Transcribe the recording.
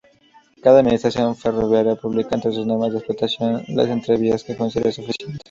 Cada administración ferroviaria publica entre sus normas de explotación las entrevías que considera suficientes.